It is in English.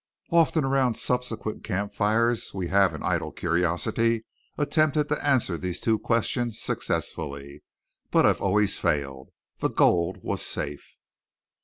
Often around subsequent campfires we have in idle curiosity attempted to answer these two questions successfully, but have always failed. The gold was safe.